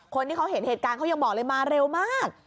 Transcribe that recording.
คนที่เขาเห็นเหตุการณ์เขายังบอกเลยมาเร็วมาก